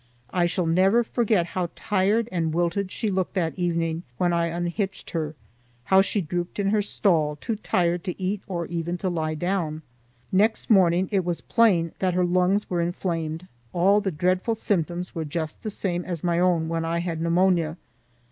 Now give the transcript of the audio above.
I shall never forget how tired and wilted she looked that evening when I unhitched her; how she drooped in her stall, too tired to eat or even to lie down. Next morning it was plain that her lungs were inflamed; all the dreadful symptoms were just the same as my own when I had pneumonia.